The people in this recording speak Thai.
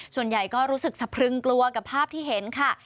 ส่วนใหญ่ก็รู้สึกสะพรึงกลัวกับภาพที่เห็นค่ะ